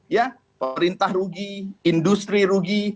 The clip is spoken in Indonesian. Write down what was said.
ya perintah rugi industri rugi